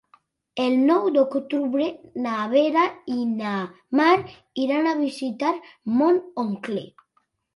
El nou d'octubre na Vera i na Mar iran a visitar mon oncle.